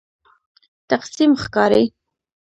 تقسیم ښکاري.